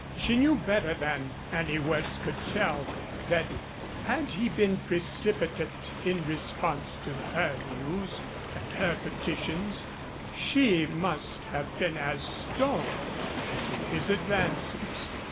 She knew better than any words could tell that had he been precipitate in response to her news and her petitions, she must have been as stone to his advances.